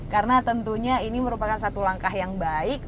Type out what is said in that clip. karena tentunya ini merupakan satu langkah yang baik